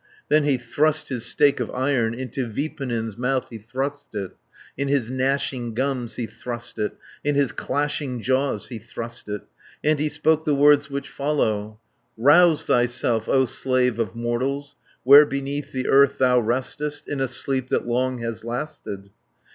Then he thrust his stake of iron Into Vipunen's mouth he thrust it, In his gnashing gums he thrust it, In his clashing jaws he thrust it, 80 And he spoke the words which follow: "Rouse thyself, O slave of mortals, Where beneath the earth thou restest, In a sleep that long has lasted."